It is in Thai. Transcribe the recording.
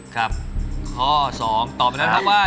ครับข้อ๒ตอบไปแล้วครับว่า